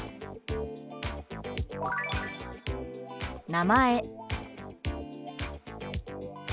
「名前」。